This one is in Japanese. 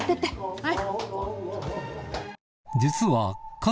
はい。